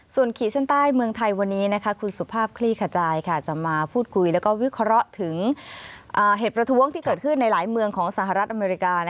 ส่วนขีดเส้นใต้เมืองไทยวันนี้คุณสุภาพคลี่ขจายจะมาพูดคุยแล้วก็วิเคราะห์ถึงเหตุประท้วงที่เกิดขึ้นในหลายเมืองของสหรัฐอเมริกา